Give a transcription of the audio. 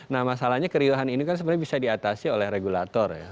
nah masalahnya keriuhan ini kan sebenarnya bisa diatasi oleh regulator ya